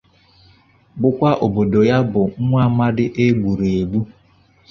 bụkwa obodo ya bụ nwa amadi e gburu egbu.